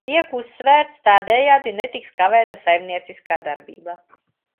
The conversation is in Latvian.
"Tiek uzsvērts: "tādējādi netiks kavēta saimnieciskā darbība"."